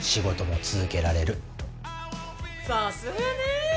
さすがねえ。